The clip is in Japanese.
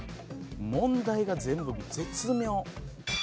問題が全部絶妙。